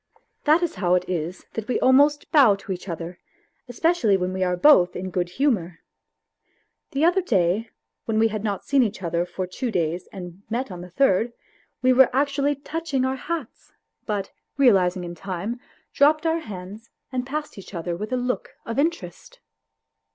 That is how it is that we almost bow to each other, especially when \ve are both in good humour. The other day, when we had not seen each other for two days and met on the third, we were actually touching our hats, but, realizing in time, dropped our hands and passed each other with a look of interest.